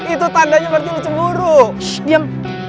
itu tandanya berjuru cemburu diam